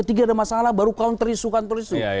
ketika ada masalah baru counter issue counter issue